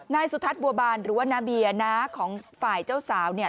นายสุทัศน์บัวบานหรือว่าน้าเบียน้าของฝ่ายเจ้าสาวเนี่ย